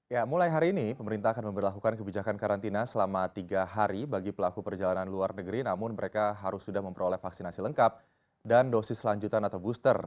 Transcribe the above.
ya mulai hari ini pemerintah akan memperlakukan kebijakan karantina selama tiga hari bagi pelaku perjalanan luar negeri namun mereka harus sudah memperoleh vaksinasi lengkap dan dosis lanjutan atau booster